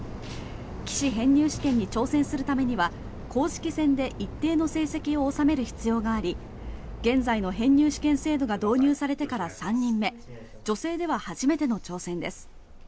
棋士編入試験に挑戦するためには公式戦で一定の成績を収める必要があり現在の編入試験制度が導入されてから３人目女性では初めての挑戦です。